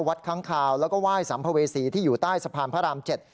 ค้างคาวแล้วก็ไหว้สัมภเวษีที่อยู่ใต้สะพานพระราม๗